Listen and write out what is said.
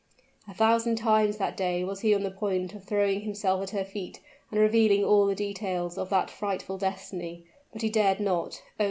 A thousand times that day was he on the point of throwing himself at her feet and revealing all the details of that frightful destiny; but he dared not oh!